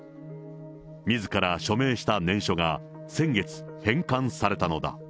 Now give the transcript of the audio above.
みずから署名した念書が先月返還されたのだ。